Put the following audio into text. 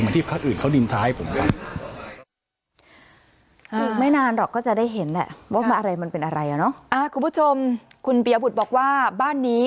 อย่างที่พระอื่นเขาดินท้ายให้ผมครับ